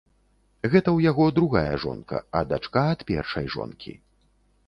Гэта ў яго другая жонка, а дачка ад першай жонкі.